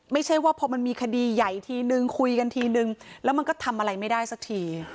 ไม่ใช่ว่าพอมันมีคดีใหญ่ทีนึงคุยกันทีนึงแล้วมันก็ทำอะไรไม่ได้สักที